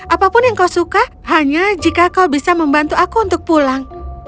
apapun yang kau suka hanya jika kau bisa membantu aku untuk pulang